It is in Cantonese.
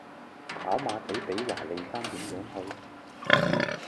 跑馬地比華利山點樣去?